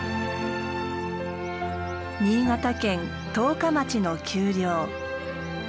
新潟県十日町の丘陵。